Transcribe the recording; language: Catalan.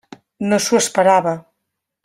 No s'ho esperava.